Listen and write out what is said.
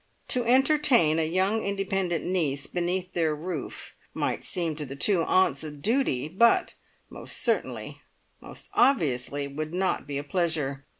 To entertain a young independent niece beneath their roof might seem to the two aunts a duty, but, most certainly, most obviously, it would not be a pleasure!